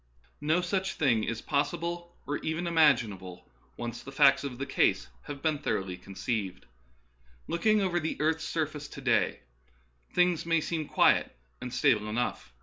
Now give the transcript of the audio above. No such thing is possible or even imaginable, when once the facts of the case have been thoroughly conceived. Looking over the earth's surface to day, things may seem quiet and stable enough.